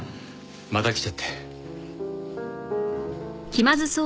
また来ちゃって。